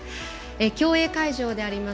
競泳会場であります